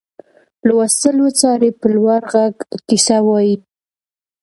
لوستل وڅاري په لوړ غږ کیسه ووايي.